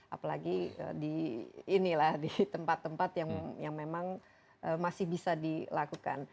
apalagi di tempat tempat yang memang masih bisa dilakukan